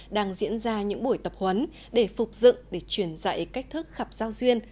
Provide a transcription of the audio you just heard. đang diễn ra những buổi tập huấn để phục dựng để truyền dạy cách thức khắp giao duyên